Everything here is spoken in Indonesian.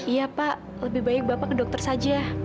iya pak lebih baik bapak ke dokter saja